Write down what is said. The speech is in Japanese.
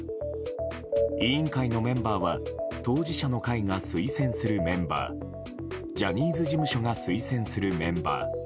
委員会のメンバーは当事者の会が推薦するメンバージャニーズ事務所が推薦するメンバー